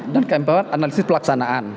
dan keempat analisis pelaksanaan